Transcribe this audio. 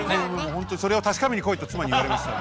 ほんとにそれを確かめにこいと妻に言われました。